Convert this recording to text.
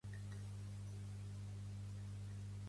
A Madrid van muntar el Thyssen, tot i que ja tenien el Prado